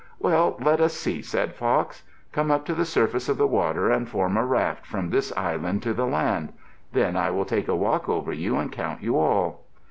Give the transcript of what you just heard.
"Well, let us see," said Fox. "Come up to the surface of the water and form a raft from this island to the land. Then I will take a walk over you and count you all."